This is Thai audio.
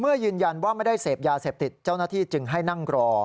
ยืนยันว่าไม่ได้เสพยาเสพติดเจ้าหน้าที่จึงให้นั่งรอ